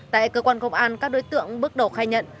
tại cơ quan công an các đối tượng bước đầu khai nhận